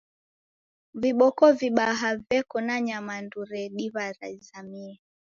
Viboko vibaha veko na nyamandu rediw'a rizamie.